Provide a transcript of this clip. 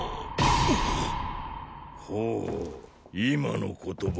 ほう今の言葉